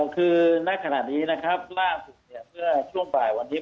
คือนักขณะนี้นะครับ